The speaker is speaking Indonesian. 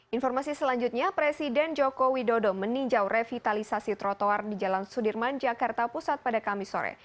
informasi selanjutnya presiden joko widodo meninjau revitalisasi trotoar di jalan sudirman jakarta pusat pada kamis sore